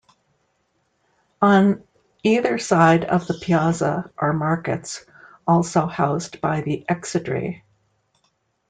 On either side of the piazza are markets, also housed by the exedrae.